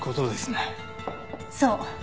そう。